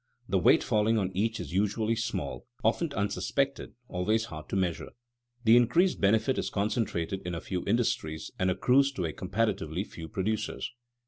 The weight falling on each is usually small, often unsuspected, always hard to measure. The increased benefit is concentrated in a few industries and accrues to a comparatively few producers.